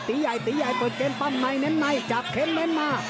ตีใหญ่เปิดเกมปั้นไหนจับเข้มแม่นมา